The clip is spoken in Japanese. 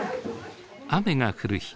雨が降る日。